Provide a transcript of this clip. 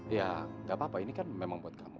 ya nggak apa apa ini kan memang buat kamu